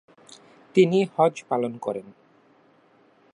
তিনি হজ পালন করেন।